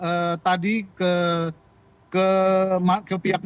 kemudian kita juga sudah mengaturkan perangkat kemampuan kita